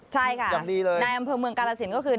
ใช่ค่ะนายอำเภอเมืองกาลสินก็คือ